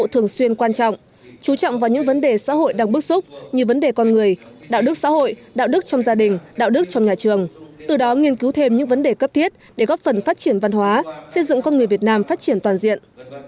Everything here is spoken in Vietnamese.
trong đó nghiên cứu thêm những vấn đề cấp thiết để góp phần phát triển văn hóa xây dựng con người việt nam phát triển toàn diện